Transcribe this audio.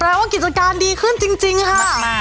ว้าวรักมากครับแปลว่ากิจการดีขึ้นจริงค่ะ